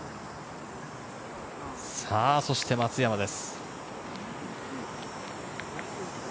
さぁ、そして松山です。